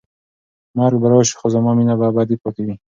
مرګ به راشي خو زما مینه به ابدي پاتې وي.